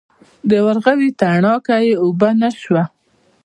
د ورغوي تڼاکه یې اوبه نه شوه.